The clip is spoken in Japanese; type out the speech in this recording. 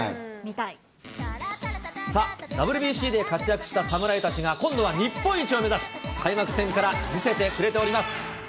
さあ、ＷＢＣで活躍した侍たちが、今度は日本一を目指し、開幕戦から見せてくれております。